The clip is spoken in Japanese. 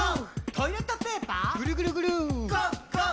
「トイレットペーパーＧＯＧＯＧＯ」ぐるぐるぐる！